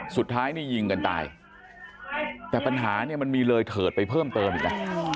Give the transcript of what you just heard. สุดท้ายนี่ยิงกันตายแต่ปัญหาเนี่ยมันมีเลยเถิดไปเพิ่มเติมอีกนะ